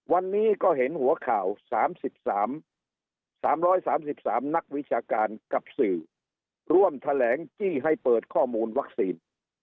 วันนี้ก็เห็นหัวข่าว๓๓นักวิชาการกับสื่อร่วมแถลงจี้ให้เปิดข้อมูลวัคซีน